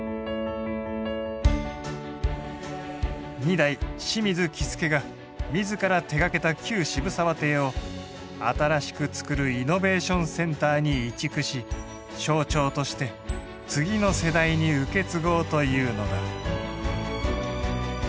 二代清水喜助が自ら手がけた旧渋沢邸を新しく造るイノベーションセンターに移築し象徴として次の世代に受け継ごうというのだ。